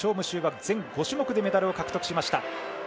秋は全５種目でメダルを獲得しました。